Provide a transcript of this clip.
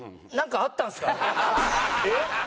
えっ？